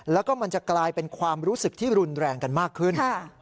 แล้วก็มันจะกลายเป็นความรู้สึกที่รุนแรงกันมากขึ้น